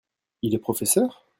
Il est professeur ?